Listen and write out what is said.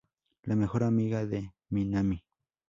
La mejor amiga de Minami.